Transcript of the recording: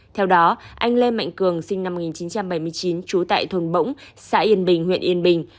theo đó anh lê mạnh cường sinh năm một nghìn chín trăm bảy mươi chín trú tại thôn bỗng xã yên bình huyện yên bình